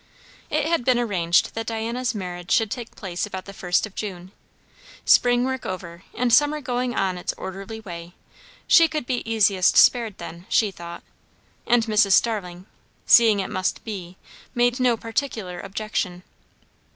It had been arranged that Diana's marriage should take place about the first of June. Spring work over, and summer going on its orderly way, she could be easiest spared then, she thought; and Mrs. Starling, seeing it must be, made no particular objection.